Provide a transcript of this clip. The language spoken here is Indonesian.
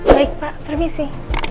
baik pak permisi